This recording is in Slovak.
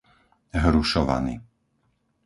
Hrušovany